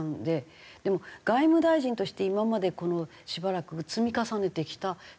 でも外務大臣として今までしばらく積み重ねてきた諸外国との関係って。